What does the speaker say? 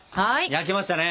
焼けましたね。